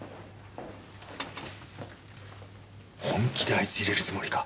本気であいつ入れるつもりか？